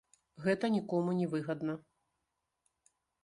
Гэта нікому не выгадна.